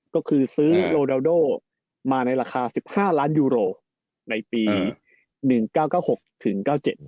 ก็คือซื้อโรดาโดมาในราคา๑๕ล้านยูโรในปี๑๙๙๖ถึง๙๗